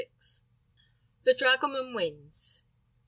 THE DRAGOMAN WINS.